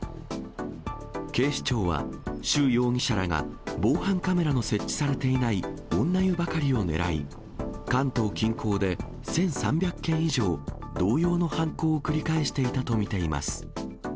警視庁は、周容疑者らが防犯カメラの設置されていない女湯ばかりを狙い、関東近郊で１３００件以上、同様の犯行を繰り返していたと見ています。